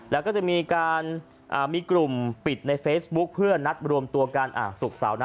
แล้วก็จะมีกลุ่มปิดในเฟซบุ๊คเพื่อนนัดรวมตัวกัน